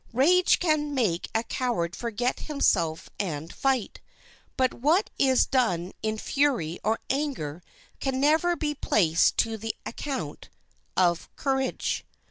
Rage can make a coward forget himself and fight. But what is done in fury or anger can never be placed to the account of courage.